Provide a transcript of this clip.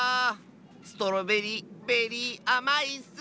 ストロベリーベリーあまいッス！